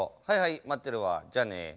はいはい待ってるわじゃあね。